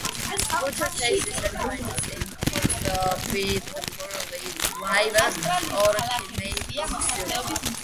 Greater care is recommended in those with poor liver or kidney function.